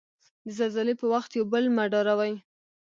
د زلزلې په وخت یو بل مه ډاروی.